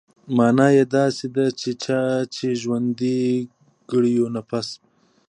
مانا يې داسې ده چې چا چې ژوندى کړ يو نفس.